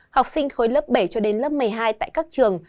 học sinh khối lớp bảy cho đến lớp một mươi hai tại các trường